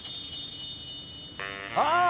ああ！